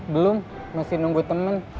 belum masih nunggu temen